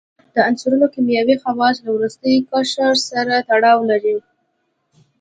د عنصرونو کیمیاوي خواص له وروستي قشر سره تړاو لري.